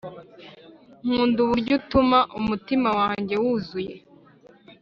nkunda uburyo utuma umutima wanjye wuzuye